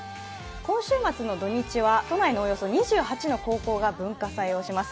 今週末の土日は都内のおよそ２８の高校が文化祭をします。